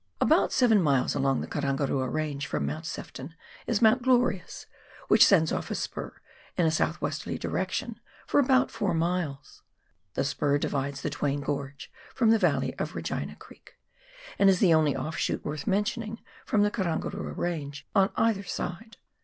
About seven miles along the Karangarua Eange from Mount Sefton, is Mount Glorious, which sends off a spur, in a south westerly direction, for about four miles. The spur divides the Twain Gorge from the valley of Regina Creek, and is the only offshoot worth mentioning from the Karangarua Eange on either side.